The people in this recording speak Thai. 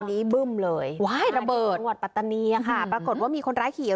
นี่บึ้มเลยว้ายระเบิดปัตตานีอะค่ะปรากฏว่ามีคนร้ายขี่ออก